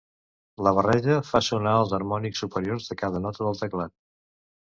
La barreja fa sonar els harmònics superiors de cada nota del teclat.